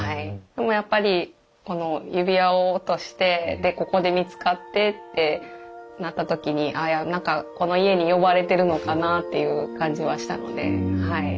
でもやっぱりこの指輪を落としてでここで見つかってってなった時にあ何かこの家に呼ばれてるのかなっていう感じはしたので。